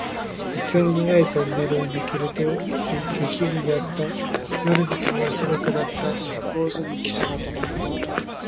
国境の長いトンネルを抜けると雪国であった。夜の底が白くなった。信号所にきしゃが止まった。